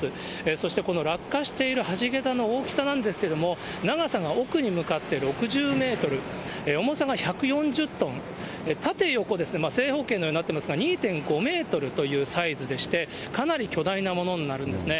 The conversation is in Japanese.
そしてこの落下している橋桁の大きさなんですけれども、長さが奥に向かって６０メートル、重さが１４０トン、縦横、正方形のようになってますが、２．５メートルというサイズでして、かなり巨大なものになるんですね。